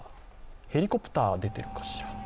ヘリコプター、出ているかしら。